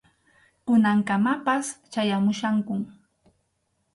Kunankamapas chayamuchkankum.